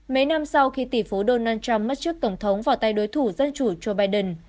mấy năm sau khi tỷ phú donald trump mất chức tổng thống vào tay đối thủ dân chủ joe biden